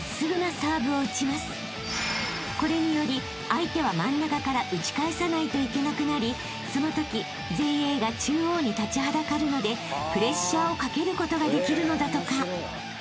［これにより相手は真ん中から打ち返さないといけなくなりそのとき前衛が中央に立ちはだかるのでプレッシャーをかけることができるのだとか］